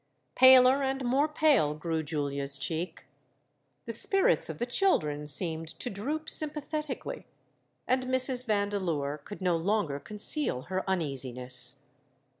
Paler and more pale grew Julia's cheek; the spirits of the children seemed to droop sympathetically; and Mrs. Vandeleur could no longer conceal her uneasiness.